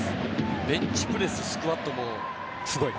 ベンチプレススクワットもすごい。